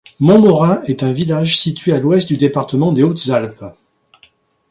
Montmorin est un village situé à l'ouest du département des Hautes-Alpes.